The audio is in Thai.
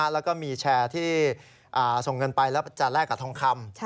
แล้วก็มีแชร์ที่ส่งเงินไปแล้วจะแลกกับทองคำ